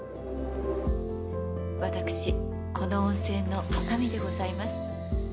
私この温泉の女将でございます。